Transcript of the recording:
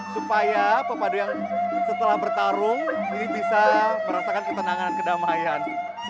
supaya pemadu yang setelah bertarung ini bisa merasakan ketenangan dan kedamaian